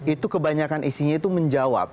itu kebanyakan isinya itu menjawab